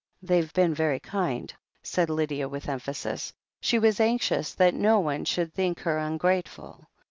"They've been very kind," said Lydia with emphasis. She was anxious that no one should think her un grateful.